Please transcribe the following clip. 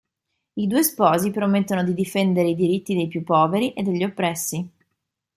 I due sposi promettono di difendere i diritti dei più poveri e degli oppressi.